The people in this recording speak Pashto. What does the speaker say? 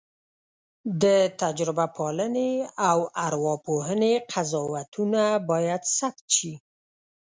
د تجربه پالنې او ارواپوهنې قضاوتونه باید ثبت شي.